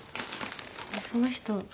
その人